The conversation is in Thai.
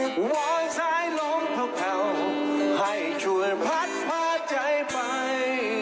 ว่ายซ้ายลมเพล่าให้ช่วยพัดพาใจไป